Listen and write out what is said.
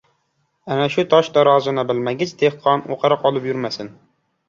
Ana shu tosh-tarozini bilmagich dehqon o‘qariq olib yurmasin.